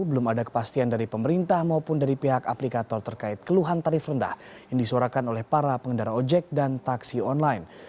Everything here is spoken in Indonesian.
belum ada kepastian dari pemerintah maupun dari pihak aplikator terkait keluhan tarif rendah yang disuarakan oleh para pengendara ojek dan taksi online